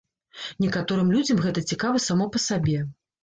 Некаторым людзям гэта цікава само па сабе.